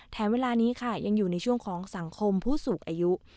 เวลานี้ค่ะยังอยู่ในช่วงของสังคมผู้สูงอายุ